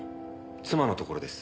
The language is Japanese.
妻のところです。